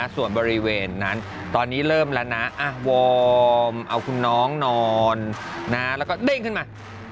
ส่วนบริเวณนั้นตอนนี้เริ่มแล้วนะวอร์มเอาคุณน้องนอนแล้วก็เด้งขึ้นมา